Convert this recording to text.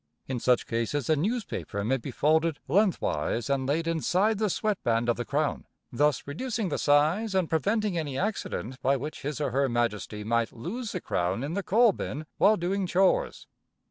In such cases a newspaper may be folded lengthwise and laid inside the sweat band of the crown, thus reducing the size and preventing any accident by which his or her majesty might lose the crown in the coal bin while doing chores.